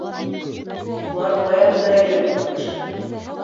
Улар баянда өйрәнеп маташа.